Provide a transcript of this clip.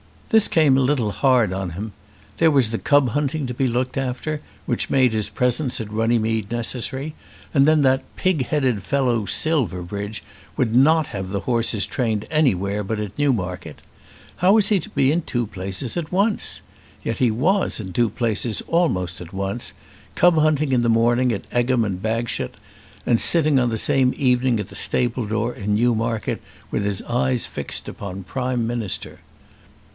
This came a little hard on him. There was the cub hunting to be looked after, which made his presence at Runnymede necessary, and then that "pig headed fellow, Silverbridge" would not have the horses trained anywhere but at Newmarket. How was he to be in two places at once? Yet he was in two places almost at once: cub hunting in the morning at Egham and Bagshot, and sitting on the same evening at the stable door at Newmarket, with his eyes fixed upon Prime Minister.